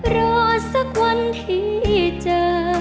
รอสักวันที่เจอ